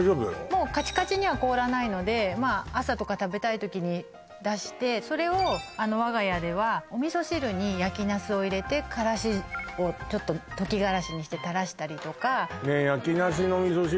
もうカチカチには凍らないのでまあ朝とか食べたい時に出してそれをあの我が家ではお味噌汁に焼きナスを入れてからしをちょっと溶きがらしにして垂らしたりとかねえ焼きナスのお味噌汁